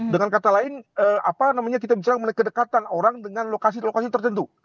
dengan kata lain apa namanya kita bicara mengenai kedekatan orang dengan lokasi lokasi tertentu